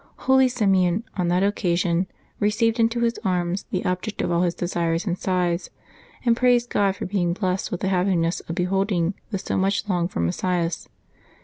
Holy Simeon, on that occasion, received into his arms the object of all his desires and sighs, and praised God for being blessed with the happiness of beholding the so much longed for Messias.